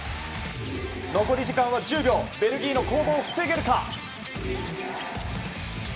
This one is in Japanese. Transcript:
残り時間は１０秒ベルギーの攻防を防げるか。